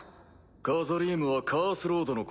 カザリームはカースロードのことだよ。